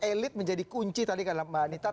elit menjadi kunci tadi kata mbak anita